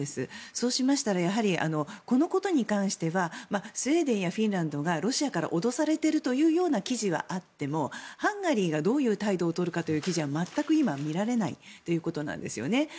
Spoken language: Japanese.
そうしましたら、やはりこのことに関してはスウェーデンやフィンランドがロシアから脅されているという記事はあってもハンガリーがどういう態度をとるかという記事は全く今、見られないということなんですよね。